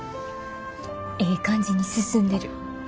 ええ感じに進んでる。